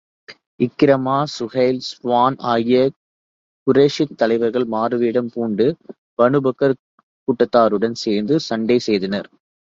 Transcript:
Ikrima, Suhail, Safwan ஆகிய குறைஷித் தலைவர்கள் மாறுவேடம் பூண்டு, பனூ பக்கர் கூட்டத்தாருடன் சேர்ந்து சண்டை செய்தனர்.